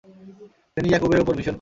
তিনি ইয়াকূবের উপর ভীষণ ক্ষুব্ধ হলেন।